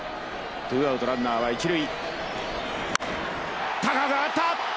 ツーアウトランナーは一塁。